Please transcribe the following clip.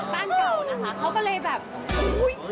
บ้านเก่านะคะเขาก็เลยแบบอุ้ย